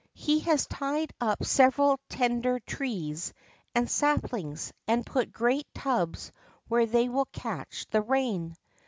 He has tied up several tender trees and saplings, and put great tubs where they will catch the rain."